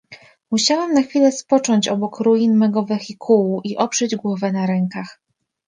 "Musiałem na chwilę spocząć obok ruin mego wehikułu i oprzeć głowę na rękach."